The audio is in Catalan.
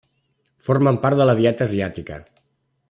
Formen part de la dieta asiàtica.